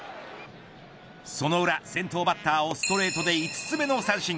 その裏、先頭バッターをストレートで５つ目の三振。